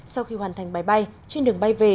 sau khi hoàn thành máy bay trên đường bay về